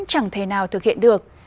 chẳng thể nào thực hiện được